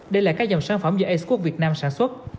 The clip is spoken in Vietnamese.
đây là các dòng sản phẩm do expok việt nam sản xuất